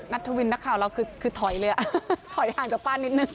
ทวินนักข่าวเราคือถอยเลยถอยห่างจากป้านิดนึง